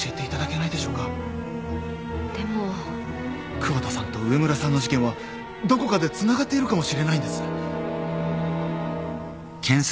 窪田さんと上村さんの事件はどこかでつながっているかもしれないんです。